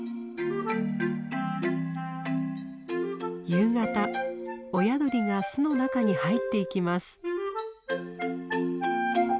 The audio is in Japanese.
夕方親鳥が巣の中に入っていきます。